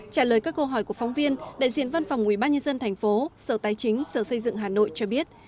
trả lời các câu hỏi của phóng viên đại diện văn phòng ubnd thành phố sở tái chính sở xây dựng hà nội cho biết